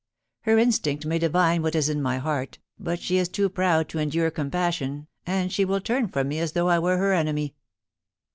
Her instinct may divine what is in my heart, but she is too proud to endure com passion, and she will turn from me as though I were her enemy.'